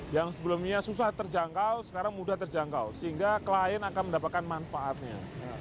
yang sebelumnya susah terjangkau sekarang mudah terjangkau sehingga klien akan mendapatkan manfaatnya